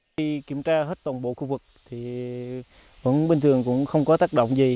khi kiểm tra hết tổng bộ khu vực thì vẫn bình thường cũng không có tác động gì